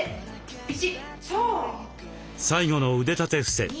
最後の腕立てふせ。